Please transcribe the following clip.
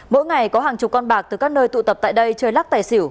mỗi ngày có hàng chục con bạc từ các nơi tụ tập tại đây chơi lắc tài xỉu